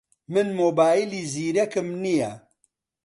من مۆبایلی زیرەکم نییە.